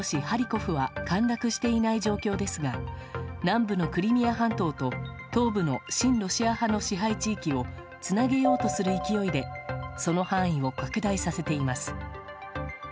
ハリコフは陥落していない状況ですが南部のクリミア半島と東部の親ロシア派の支配地域をつなげようとする勢いでその範囲を拡大させています。